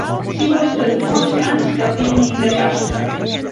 Si vols tenir bons cans, que en vinguin de casta.